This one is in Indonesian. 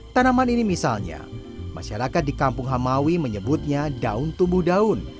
tanaman ini misalnya masyarakat di kampung hamawi menyebutnya daun tubuh daun